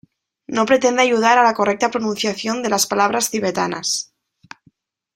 No pretende ayudar a la correcta pronunciación de las palabras tibetanas.